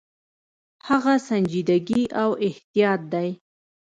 هغه سنجیدګي او احتیاط دی.